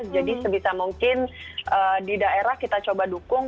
jadi sebisa mungkin di daerah kita coba dukung